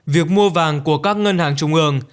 việc mua vàng của các ngân hàng trung ương